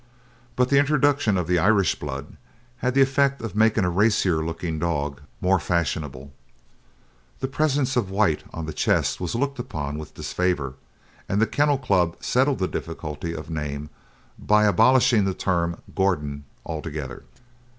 But the introduction of the Irish blood had the effect of making a racier looking dog more fashionable, the presence of white on the chest was looked upon with disfavour, and the Kennel Club settled the difficulty of name by abolishing the term "Gordon" altogether.